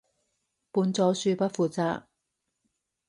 本組恕不負責